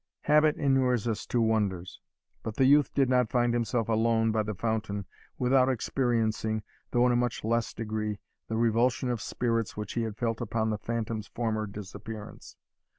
Habit inures us to wonders; but the youth did not find himself alone by the fountain without experiencing, though in a much less degree, the revulsion of spirits which he had felt upon the phantom's former disappearance.